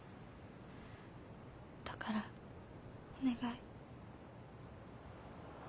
だからお願い。